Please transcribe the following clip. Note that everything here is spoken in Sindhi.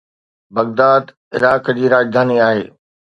بغداد عراق جي راڄڌاني آهي